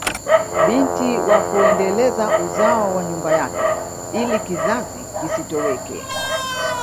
Binti wa kuendeleza uzao wa nyumba yake ili kizazi kisitoweke